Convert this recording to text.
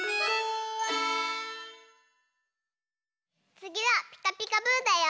つぎは「ピカピカブ！」だよ！